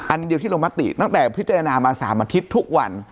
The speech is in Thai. อันเดียวที่ลงมติตั้งแต่พิจารณามา๓อาทิตย์ทุกวัน